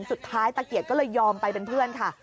สุดท้ายตาเกียรติก็เลยยอมไปเป็นเพื่อนค่ะ